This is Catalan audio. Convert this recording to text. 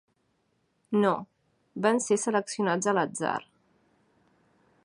No, van ser seleccionats a l'atzar.